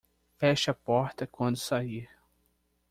Feche a porta quando sair